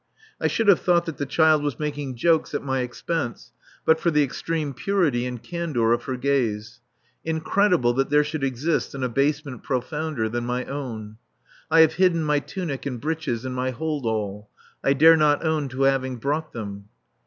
I should have thought that the child was making jokes at my expense but for the extreme purity and candour of her gaze. Incredible that there should exist an abasement profounder than my own. I have hidden my tunic and breeches in my hold all. I dare not own to having brought them.